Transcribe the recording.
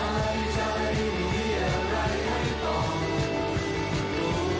หลายใจมีอะไรให้ต้องรู้